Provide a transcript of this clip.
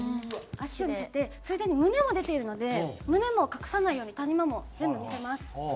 それで胸も出ているので胸も隠さないように谷間も全部見せます。